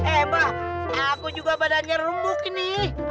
eh mbak aku juga badannya rembuk nih